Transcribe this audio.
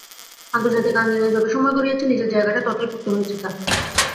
আন্তর্জাতিক আঙিনায় যত সময় গড়িয়েছে, নিজের জায়গাটা ততই পোক্ত হয়েছে তাঁর।